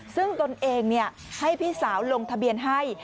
ซึ่งตนเองให้พี่สาวลงทะเบียนให้